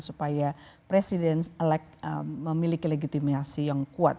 supaya presiden elek memiliki legitimasi yang kuat